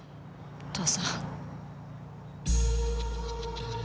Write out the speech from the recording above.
父さん。